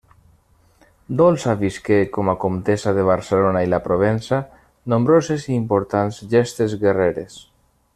Dolça visqué, com a comtessa de Barcelona i la Provença, nombroses i importants gestes guerreres.